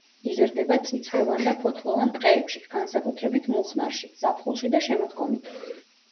იზრდება წიწვოვან და ფოთლოვან ტყეებში, განსაკუთრებით მუხნარში, ზაფხულში და შემოდგომით.